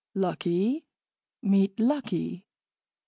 "Lucky, meet Lucky."